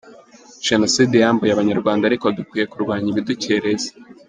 Jenoside yambuye abanyarwanda ariko dukwiye kurwanya ibidukereza.